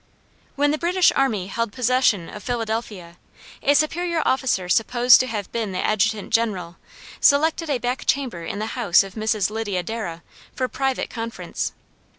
When the British army held possession of Philadelphia, a superior officer supposed to have been the Adjutant General, selected a back chamber in the house of Mrs. Lydia Darrah, for private conference.